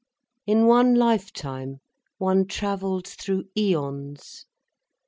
In one life time one travelled through æons.